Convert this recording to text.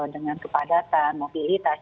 dengan kepadatan mobilitas